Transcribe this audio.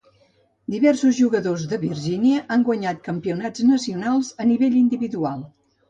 Diversos jugadors de Virgínia han guanyat campionats nacionals a nivell individual.